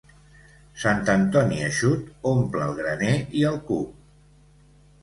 Sant Antoni eixut omple el graner i el cup.